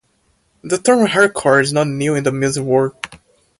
The term hardcore is not new in the music world.